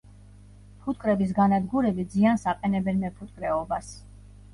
ფუტკრების განადგურებით ზიანს აყენებენ მეფუტკრეობას.